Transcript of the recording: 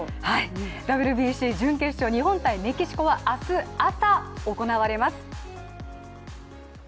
ＷＢＣ準決勝、日本×メキシコは明日朝行われます。